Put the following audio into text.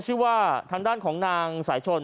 ชื่อว่าทางด้านของนางสายชน